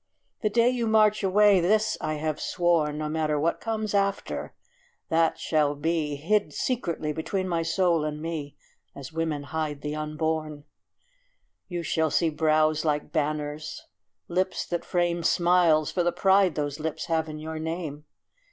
The day you march away this I have sworn, No matter what comes after, that shall be Hid secretly between my soul and me As women hide the unborn You shall see brows like banners, lips that frame Smiles, for the pride those lips have in your name.